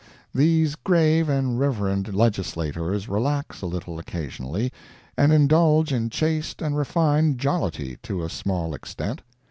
These grave and reverend legislators relax a little occasionally, and indulge in chaste and refined jollity to a small extent.